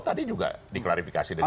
tadi juga diklarifikasi dengan